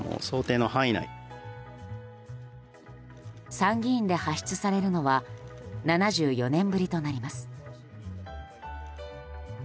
参議院で発出されるのは７４年ぶりとなります。